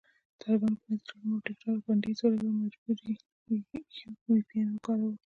طالبانو په انسټاګرام او ټیکټاک بندیز ولګاوو، مجبور یو وي پي این وکاروو